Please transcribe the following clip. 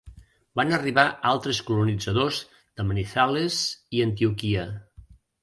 Van arribar altres colonitzadors de Manizales i Antioquia.